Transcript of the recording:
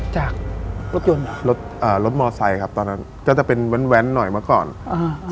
จากรถยนต์ค่ะรถอ่ารถมอไซค์ครับตอนนั้นก็จะเป็นแว้นแว้นหน่อยเมื่อก่อนอ่า